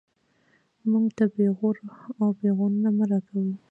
موږ ته پېغور او پېغورونه مه راکوئ